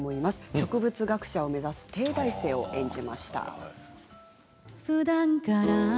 植物学者を目指す帝大生を演じました。